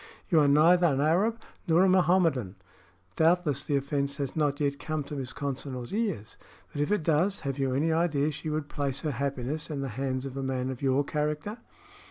You are neither an Arab nor a Mohammedan. Doubtless the offense has not yet come to Miss Consinor's ears; but if it does, have you any idea she would place her happiness in the hands of a man of your character?"